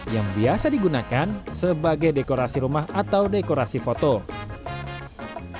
yang biasa digunakan sebagai dekorasi rumah atau dekorasi foto